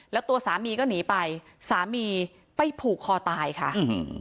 แล้วตัวสามีก็หนีไปสามีไปผูกคอตายค่ะอืม